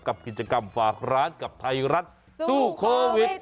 กับกิจกรรมฝากร้านกับไทยรัฐสู้โควิด